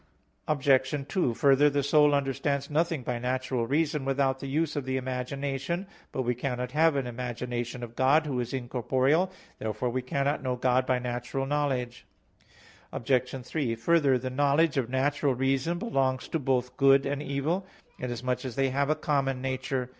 Obj. 2: Further, the soul understands nothing by natural reason without the use of the imagination. But we cannot have an imagination of God, Who is incorporeal. Therefore we cannot know God by natural knowledge. Obj. 3: Further, the knowledge of natural reason belongs to both good and evil, inasmuch as they have a common nature.